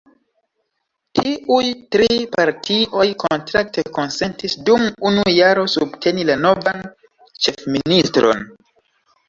Tiuj tri partioj kontrakte konsentis dum unu jaro subteni la novan ĉefministron.